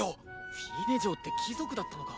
フィーネ嬢って貴族だったのか。